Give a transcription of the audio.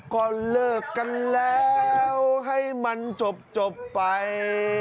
ก็เลิกกันแล้วให้มันจบไป